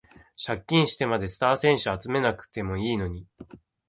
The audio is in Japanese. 借金してまでスター選手集めなくてもいいのに